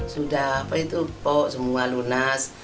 sudah apa itu pok semua lunas